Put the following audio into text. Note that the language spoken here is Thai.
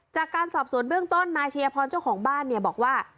จากการสอบสวนเบื้องต้นนายชัยพรเจ้าของบ้านเนี่ยบอกว่า